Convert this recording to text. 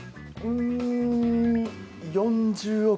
うん４０億